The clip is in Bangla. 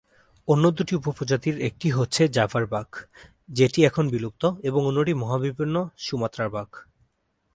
অন্য দুটি উপপ্রজাতির একটি হচ্ছে জাভার বাঘ, যেটি এখন বিলুপ্ত এবং অন্যটি মহাবিপন্ন সুমাত্রার বাঘ।